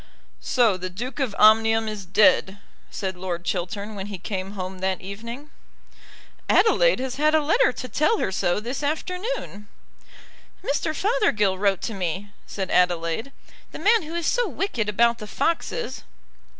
"So the Duke of Omnium is dead," said Lord Chiltern when he came home that evening. "Adelaide has had a letter to tell her so this afternoon." "Mr. Fothergill wrote to me," said Adelaide; "the man who is so wicked about the foxes."